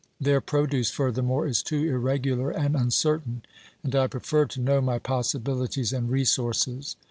Their produce, furthermore, is too irregular and uncertain, and OBERMANN 293 I prefer to know my possibilities and resources.